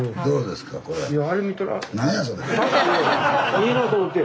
いいなあと思って。